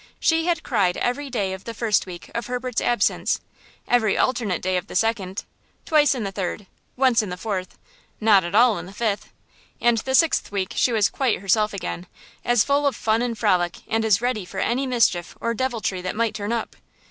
She had cried every day of the first week of Herbert's absence; every alternate day of the second; twice in the third; once in the fourth; not at all in the fifth, and the sixth week she was quite herself again, as full of fun and frolic and as ready for any mischief or deviltry that might turn up.